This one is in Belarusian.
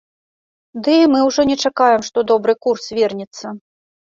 Ды і мы ўжо не чакаем, што добры курс вернецца.